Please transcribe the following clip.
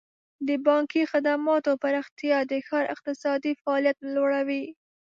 د بانکي خدماتو پراختیا د ښار اقتصادي فعالیت لوړوي.